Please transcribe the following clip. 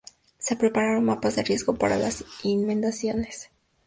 Se prepararon mapas de riesgo para las inmediaciones pero fueron escasamente difundidos.